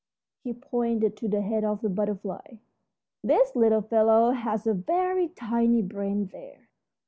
He pointed to the head of the butterfly. "This little fellow has a very tiny brain there.